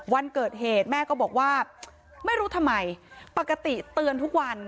วันเกิดเหตุแม่ก็บอกว่าไม่รู้ทำไมปกติเตือนทุกวัน